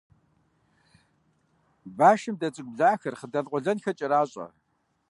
Башым дэ цӀыкӀу блахэр, хъыдан къуэлэнхэр кӀэращӀэ.